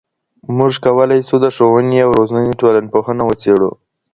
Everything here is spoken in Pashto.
موږ کولای سو د ښوونې او روزنې ټولنپوهنه وڅېړو.